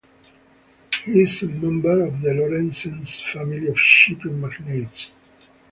He is a member of the Lorentzen family of shipping magnates.